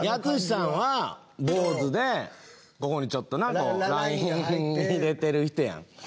ＡＴＳＵＳＨＩさんは、坊主でここにちょっとなライン入れてる人やん。